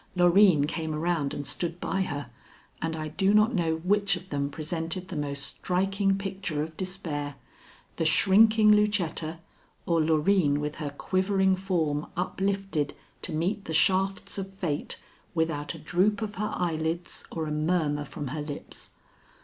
Loreen came around and stood by her, and I do not know which of them presented the most striking picture of despair, the shrinking Lucetta or Loreen with her quivering form uplifted to meet the shafts of fate without a droop of her eyelids or a murmur from her lips.